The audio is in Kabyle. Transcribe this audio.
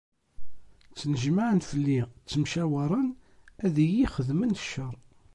Ttnejmaɛen fell-i, ttemcawaren ad iyi-xedmen ccer.